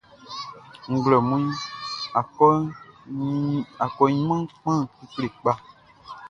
Nglɛmunʼn, akɔɲinmanʼn kpan kekle kpa.